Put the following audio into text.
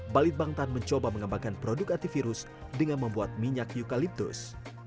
balit bangtan mencoba mengembangkan produk antivirus dengan membuat minyak eukaliptus